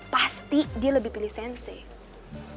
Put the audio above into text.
pasti dia lebih pilih sensif